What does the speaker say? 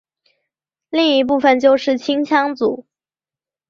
另一部分就是青羌族。